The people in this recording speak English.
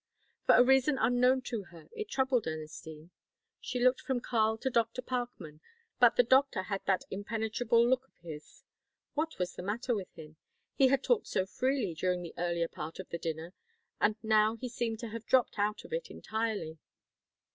For a reason unknown to her, it troubled Ernestine. She looked from Karl to Dr. Parkman, but the doctor had that impenetrable look of his. What was the matter with him? He had talked so freely during the early part of the dinner, and now he seemed to have dropped out of it entirely.